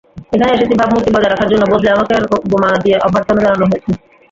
এখানে এসেছি ভাবমূর্তি বজায় রাখার জন্য, বদলে আমাকে বোমা দিয়ে অভ্যর্থনা জানানো হলো?